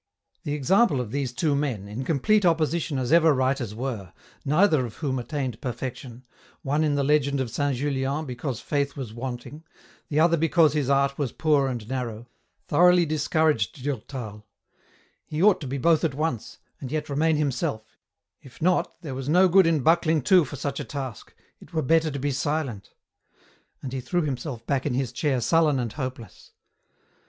The example of these two men, in complete opposition as ever writers were, neither of whom attained perfection, one in the legend of St. Julian because faith was wanting, the other because his art was poor and narrow, thoroughly discouraged Durtal. He ought to be both at once, and yet remain himself, if not, there was no good in buckling to for such a task, it were better to be silent ; and he threw him self back in his chair sullen and hopeless.